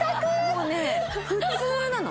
もうね普通なの。